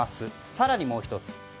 更にもう１つ。